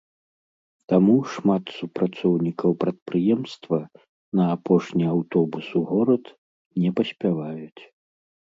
Таму шмат супрацоўнікаў прадпрыемства на апошні аўтобус у горад не паспяваюць.